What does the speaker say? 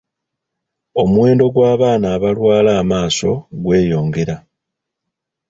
Omuwendo gw'abaana abalwala amaaso gweyongera.